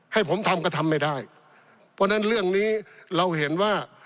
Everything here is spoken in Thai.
ให้ผมทำก็ทำไม่ได้เพราะฉะนั้นเรื่องนี้เราเห็นว่า